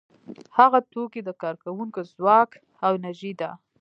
هغه توکي د کارکوونکو ځواک او انرژي ده